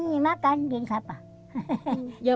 jika tidak saya akan makan